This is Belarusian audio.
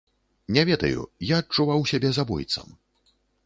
Не ведаю, я адчуваў сябе забойцам.